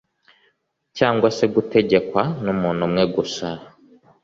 cyangwa se gutegekwa n'umuntu umwe gusa